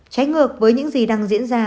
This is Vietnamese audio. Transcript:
trái ngược với những gì đang diễn ra